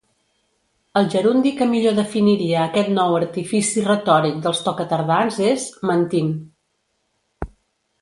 El gerundi que millor definiria aquest nou artifici retòric dels tocatardans és «mentint».